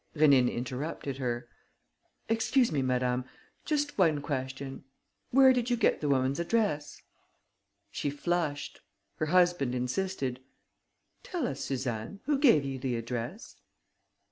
Rénine interrupted her: "Excuse me, madame. Just one question: where did you get the woman's address?" She flushed. Her husband insisted: "Tell us, Suzanne. Who gave you the address?"